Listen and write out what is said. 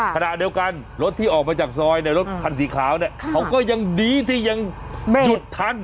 ขณะเดียวกันรถที่ออกมาจากซอยเนี่ยรถคันสีขาวเนี่ยเขาก็ยังดีที่ยังไม่หยุดทัน